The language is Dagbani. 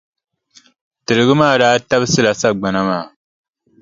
Tiligi maa daa tabisila sagbana maa.